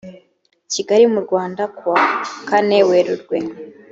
kigali mu rwanda kuwa kane werurwe